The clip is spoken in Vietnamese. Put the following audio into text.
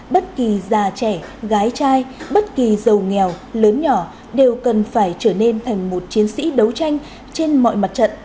bất kỳ già trẻ gái trai bất kỳ giàu nghèo lớn nhỏ đều cần phải trở nên thành một chiến sĩ đấu tranh trên mọi mặt trận